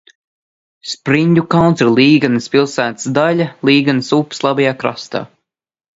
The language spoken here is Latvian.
Spriņģukalns ir Līgatnes pilsētas daļa Līgatnes upes labajā krastā.